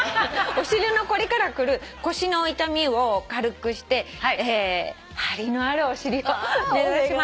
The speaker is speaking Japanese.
お尻の凝りからくる腰の痛みを軽くして張りのあるお尻を目指しましょう。